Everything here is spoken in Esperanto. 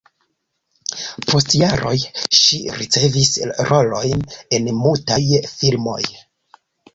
Post jaroj ŝi ricevis rolojn en mutaj filmoj.